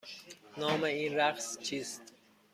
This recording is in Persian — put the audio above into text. نام این رقص چیست؟